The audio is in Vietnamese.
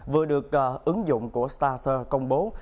vừa được ứng dụng của starter công bố